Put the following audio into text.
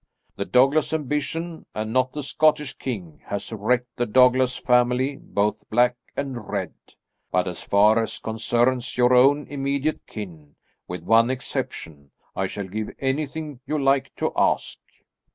The Douglas ambition, and not the Scottish king, has wrecked the Douglas family, both Black and Red. But as far as concerns your own immediate kin, with one exception, I shall give anything you like to ask."